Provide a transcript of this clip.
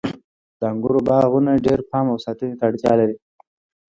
د انګورو باغونه ډیر پام او ساتنې ته اړتیا لري.